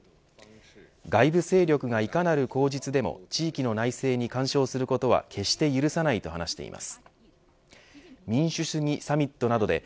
外部勢力がいかなる口実でも地域の内政に干渉することは決して許さないと話しています。